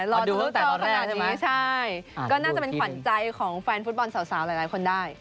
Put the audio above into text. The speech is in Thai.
ก็น่าจะเป็นขวัญใจของแฟนฟุตบอลสาวหลายคนได้